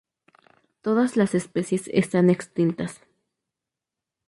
Todas las especies están extintas.